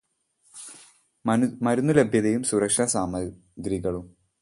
മരുന്ന് ലഭ്യതയും സുരക്ഷാ സാമഗ്രികളും